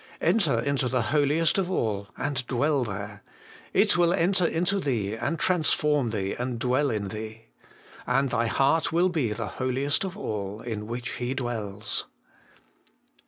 4. Enter into the Holiest of all, and dwell there. It will enter into thee, and transform thee, and dwell in thee. And thy heart will be the Holiest of all, in which He dwells.